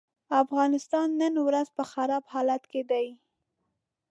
افغانستان نن ورځ په خراب حالت کې دی.